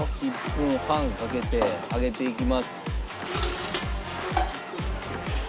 １分半かけて揚げていきます。